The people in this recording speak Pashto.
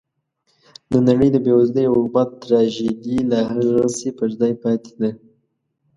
د نړۍ د بېوزلۍ او غربت تراژیدي لا هغسې پر ځای پاتې ده.